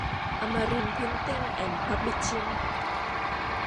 อมรินทร์พริ้นติ้ง แอนด์ พับลิชชิ่ง